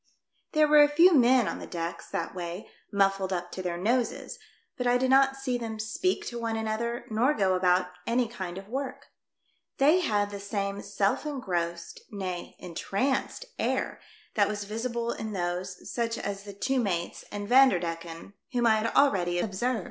There were a few men on the decks that way, muffled up to their noses ; but I did not see them speak to one another nor go about any kind of work. They had the same self engrossed, nay, entranced air that was visible in those, such as the two mates and Vander decken, whom I had already observed.